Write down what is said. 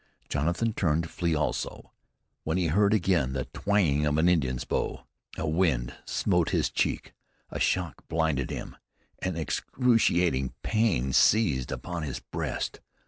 Jonathan turned to flee also, when he heard again the twanging of an Indian's bow. A wind smote his cheek, a shock blinded him, an excruciating pain seized upon his breast.